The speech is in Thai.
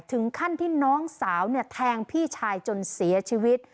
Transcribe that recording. ถึงขั้นที่น้องสาวแทงพี่ชายจนเสียชีวิต